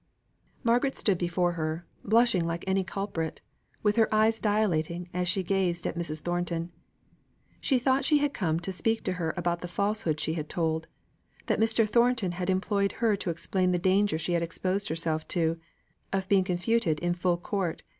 Margaret stood before her, blushing like any culprit, with her eyes dilating as she gazed at Mrs. Thornton. She thought she had come to speak to her about the falsehood she had told that Mr. Thornton had employed her to explain the danger she had exposed herself to, of being confuted in full court!